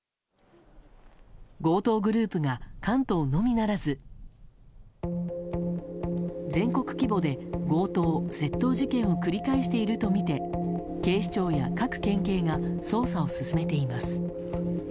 強盗グループが関東のみならず全国規模で強盗・窃盗事件を繰り返しているとみて警視庁や各県警が捜査を進めています。